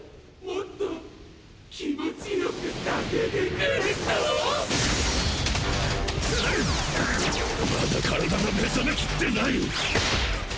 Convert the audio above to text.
まダ身体が目覚めきってナイ